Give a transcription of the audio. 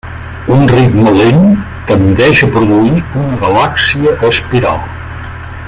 Un ritme lent tendeix a produir una galàxia espiral.